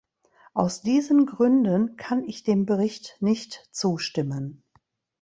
Aus diesen Gründen kann ich dem Bericht nicht zustimmen.